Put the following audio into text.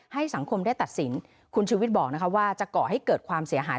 ให้สังคมได้ตัดสินคุณชูวิทย์บอกนะคะว่าจะก่อให้เกิดความเสียหาย